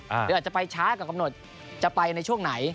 หรืออาจจะไปช้ากว่ากำหนดจะไปในช่วงไหน